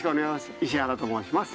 石原と申します。